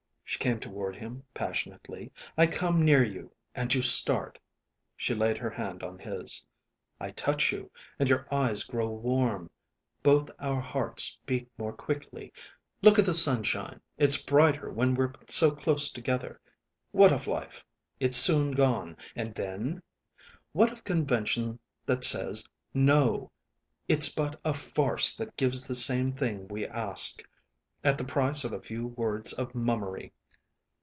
She came toward him passionately. "I come near you, and you start." She laid her hand on his. "I touch you, and your eyes grow warm. Both our hearts beat more quickly. Look at the sunshine! It's brighter when we're so close together. What of life? It's soon gone and then? What of convention that says 'no'? It's but a farce that gives the same thing we ask at the price of a few words of mummery.